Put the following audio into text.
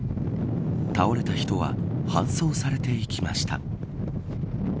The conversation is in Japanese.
倒れた人は搬送されていきました。